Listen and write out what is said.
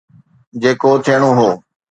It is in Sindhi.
جيڪو ٿيڻو هو.